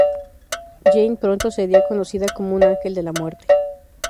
Jane pronto se haría conocida como un "Ángel de la Muerte".